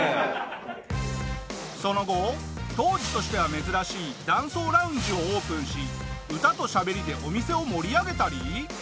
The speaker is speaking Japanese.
その後当時としては珍しい男装ラウンジをオープンし歌としゃべりでお店を盛り上げたり。